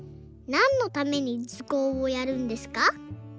なんのためにずこうをやるんですか？」